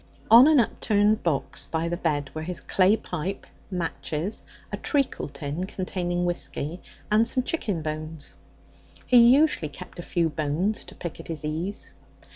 On an upturned box by the bed were his clay pipe, matches, a treacle tin containing whisky, and some chicken bones. He usually kept a few bones to pick at his ease.